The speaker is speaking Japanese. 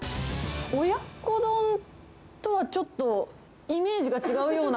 親子丼とはちょっとイメージが違うような。